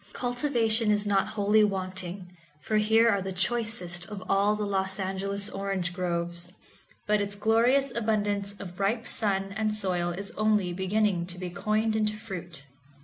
Cultivation is not wholly wanting, for here are the choices of all the Los Angeles orange groves, but its glorious abundance of ripe sun and soil is only beginning to be coined into fruit.